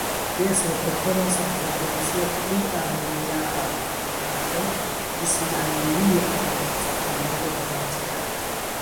Jes, ni proponos al Fabricio plian unujaran kontrakton, ĝis la julia-aŭgusta numero venontjare.